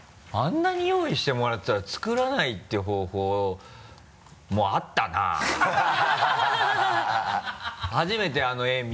あんなに用意してもらってたら作らないっていう方法もあったなハハハ